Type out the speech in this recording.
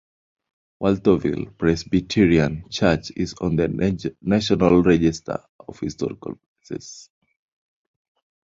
Walthourville Presbyterian Church is on the National Register of Historical Places.